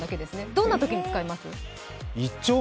どんなときに使いますか？